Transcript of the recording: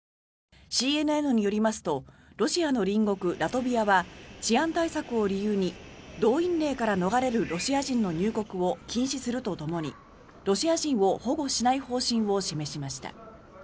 ＣＮＮによりますとロシアの隣国ラトビアは治安対策を理由に動員令から逃れるロシア人の入国を禁止するとともにロシア人を保護しない方針を示しました。